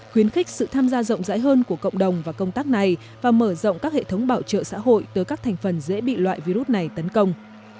khuyến khích sự tham gia rộng rãi hơn của cộng đồng vào công tác này và mở rộng các hệ thống bảo trợ xã hội tới các thành phần dễ bị loại virus này tấn công